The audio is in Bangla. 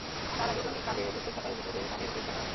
তার আগে জঙ্গি কাজে যুক্ত থাকার অভিযোগে তাঁদের গ্রেপ্তার করা হয়।